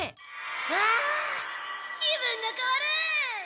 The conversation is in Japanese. わあ気分がかわる！